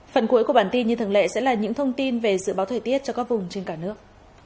phần cuối của bản tin như thường lệ sẽ là những thông tin về dự báo thời tiết cho các vùng trên cả nước